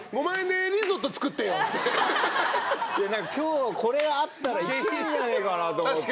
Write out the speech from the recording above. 今日これあったらいけんじゃねえかなと思って。